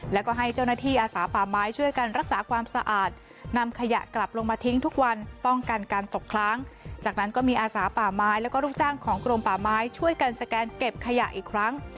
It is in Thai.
แล้วก็ให้เจ้าหน้าที่อาสาป่าไม้ช่วยกันรักษาความสะอาดนำขยะกลับลงมาทิ้งทุกวันป้องกันการตกค้างจากนั้นก็มีอาสาป่าไม้แล้วก็ลูกจ้างของกรมป่าไม้ช่วยกันสแกนเก็บขยะอีกครั้ง